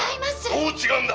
「どう違うんだ！？」